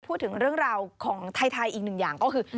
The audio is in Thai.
พูดถึงเรื่องราวของไทยอีกหนึ่งอย่างก็คือ